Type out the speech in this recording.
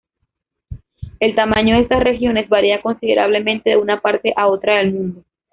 El tamaño de estas regiones varía considerablemente de una parte a otra del mundo.